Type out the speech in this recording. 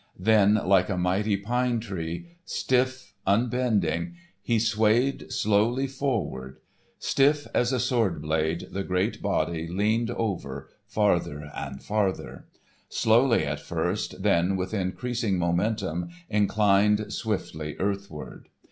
Then, like a mighty pine tree, stiff, unbending, he swayed slowly forward. Stiff as a sword blade the great body leaned over farther and farther; slowly at first, then with increased momentum inclined swiftly earthward.